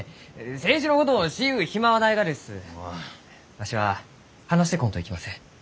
わしは話してこんといきません。